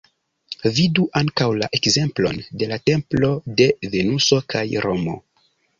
Vidu ankaŭ la ekzemplon de la Templo de Venuso kaj Romo.